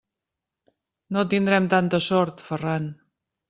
No tindrem tanta sort, Ferran!